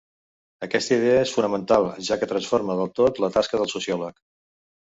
Aquesta idea és fonamental, ja que transforma del tot la tasca del sociòleg.